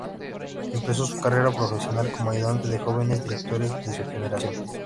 Empezó su carrera profesional como ayudante de jóvenes directores de su generación.